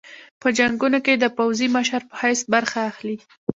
په جنګونو کې د پوځي مشر په حیث برخه اخلي.